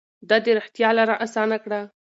ده د رښتيا لاره اسانه کړه.